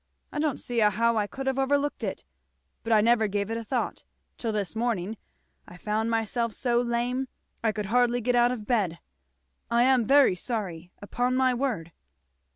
I don't see how I could have overlooked it, but I never gave it a thought, till this morning I found myself so lame I could hardly get out of bed. I am very sorry, upon my word?"